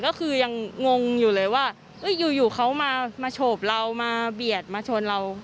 ก็คือยังงงอยู่เลยว่าอยู่เขามาโฉบเรามาเบียดมาชนเรา